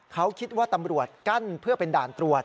เขาคิดว่าตำรวจกั้นเพื่อเป็นด่านตรวจ